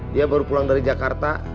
dia baru pulang dari jakarta